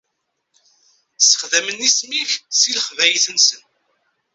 Ssexdamen isem-ik di lexbayet-nsen.